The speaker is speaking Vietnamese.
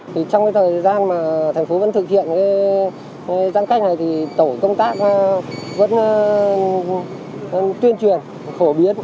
trong thời gian mà thành phố vẫn thực hiện giãn cách này thì tổ công tác vẫn tuyên truyền khổ biến